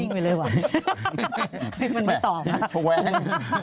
เอ๊ะเนี่ยเราก็แว้ง